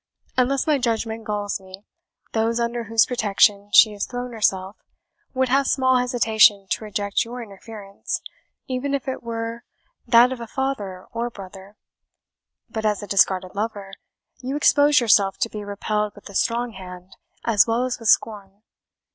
Unless my judgment gulls me, those under whose protection she has thrown herself would have small hesitation to reject your interference, even if it were that of a father or brother; but as a discarded lover, you expose yourself to be repelled with the strong hand, as well as with scorn.